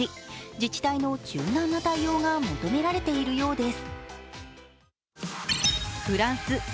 自治体の柔軟な対応が求められているようです。